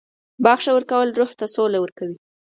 • بخښنه ورکول روح ته سوله ورکوي.